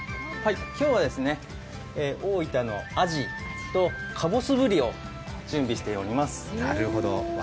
今日は大分のアジとかぼすぶりを準備しております。